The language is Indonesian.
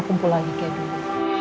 kumpul lagi kayak dulu